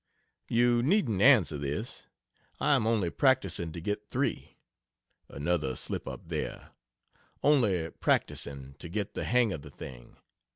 You needn't a swer this; I am only practicing to get three; another slip up there; only practici?ng to get the hang of the thing.